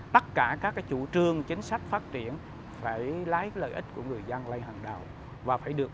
đối thoại và đạt lợi ích của người dân lên trên hết